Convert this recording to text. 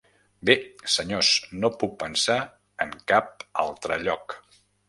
Bé, senyors, no puc pensar en cap altre lloc.